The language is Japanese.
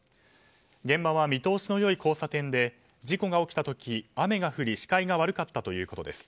現場は見通しの良い交差点で事故が起きた時雨が降り視界が悪かったということです。